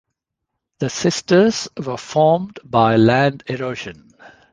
The Sisters were formed by land erosion.